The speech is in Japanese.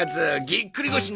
ぎっくり腰？